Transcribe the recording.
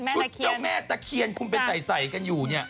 เจ้าแม่ตะเคียนคุณไปใส่กันอยู่เนี่ย